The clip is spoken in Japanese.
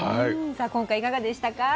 さあ今回いかがでしたか？